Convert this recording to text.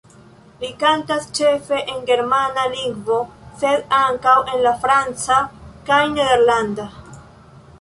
Li kantas ĉefe en germana lingvo, sed ankaŭ en la franca kaj nederlanda.